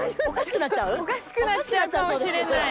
おかしくなっちゃう？かもしれない。